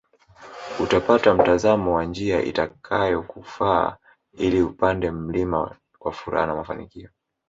Utapata mtazamo wa njia itakayokufaa ili upande mlima kwa furaha na mafanikio